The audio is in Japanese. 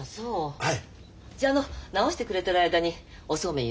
はい。